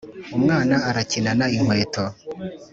umwana arakinana inkweto